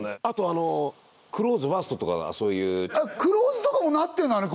あと「クローズ」「ＷＯＲＳＴ」とかそういう「クローズ」とかもなってんの？